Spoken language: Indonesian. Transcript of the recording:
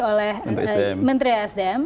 oleh menteri sdm